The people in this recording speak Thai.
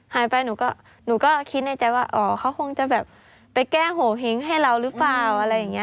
หายไปหนูก็คิดในใจว่าเขาคงจะแบบไปแก้โห่หิ้งให้เรารึเปล่าอะไรอย่างนี้